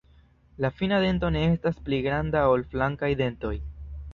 La fina dento ne estas pli granda ol la flankaj dentoj.